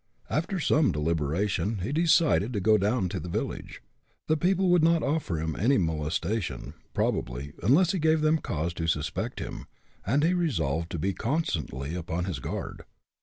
After some deliberation he decided to go down to the village. The people would not offer him any molestation, probably, unless he gave them cause to suspect him, and he resolved to be constantly upon his guard.